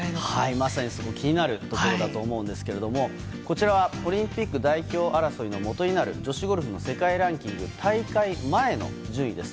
まさにそこ気になるところだと思うんですけどこちらはオリンピック代表争いのもとになる女子ゴルフの世界ランキング大会前の順位です。